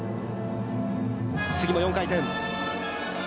次の４回転。